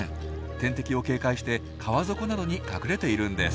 天敵を警戒して川底などに隠れているんです。